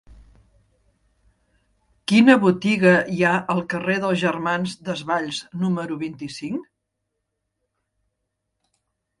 Quina botiga hi ha al carrer dels Germans Desvalls número vint-i-cinc?